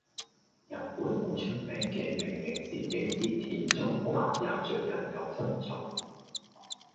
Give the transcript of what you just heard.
日本好出名嘅微型攝影師田中達也最近有新作